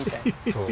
そう。